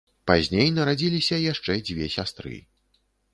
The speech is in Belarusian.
Пазней нарадзіліся яшчэ дзве сястры.